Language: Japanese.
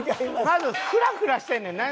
まずフラフラしてんねんな。